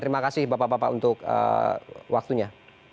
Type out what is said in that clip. terima kasih bapak bapak untuk waktunya